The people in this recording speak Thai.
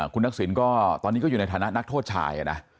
คุณทักษิณก็ตอนนี้ก็อยู่ในฐานะนักโทษชายนะ